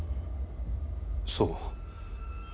そう。